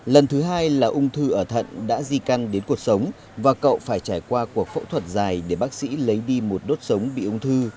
lần thứ hai là ung thư ở thận đã di căn đến cuộc sống và cậu phải trải qua cuộc phẫu thuật dài để bác sĩ lấy đi một đốt sống bị ung thư